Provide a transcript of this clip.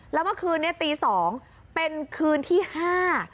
แล้วเมื่อคืนนี้ตีสองเป็นคืนที่ห้า